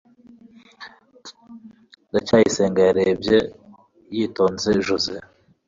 ndacyayisenga yarebye yitonze joze